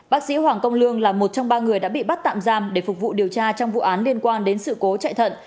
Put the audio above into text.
bác sĩ hoàng công lương là một trong ba người đã bị bắt tạm giam để phục vụ điều tra trong vụ án liên quan đến sự cố chạy thận